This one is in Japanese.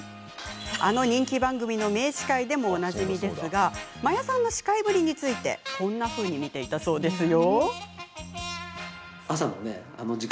あの人気番組の名司会でもおなじみですが真矢さんの司会ぶりをこんなふうに見ていたそうですよ。